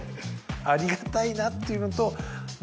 ありがたいなっていうのと。